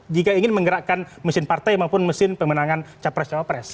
jika ingin menggerakkan mesin partai maupun mesin pemenangan capres cawapres